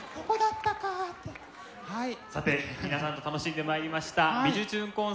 さて皆さんと楽しんでまいりました「びじゅチューン！